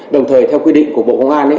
đồng thời theo quy định của bộ công an